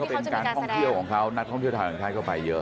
เป็นการท่องเที่ยวของเขานักท่องเที่ยวทางไทยก็ไปเยอะ